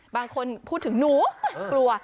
บางคนพูดถึงหนูกลัว